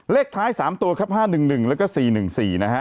เลขท้าย๓ตัวครับ๕๑๑แล้วก็๔๑๔นะฮะ